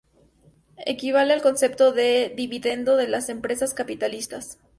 Equivale al concepto de dividendo de las empresas capitalistas.